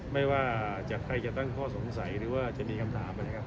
ใครจะตั้งข้อสงสัยหรือว่าจะมีคำถามอะไรนะครับ